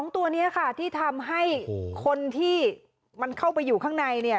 ตัวนี้ค่ะที่ทำให้คนที่มันเข้าไปอยู่ข้างใน